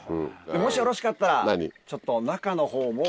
もしよろしかったらちょっと中のほうも。